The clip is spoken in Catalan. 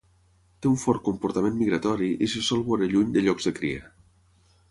Té un fort comportament migratori i se sol veure lluny de llocs de cria.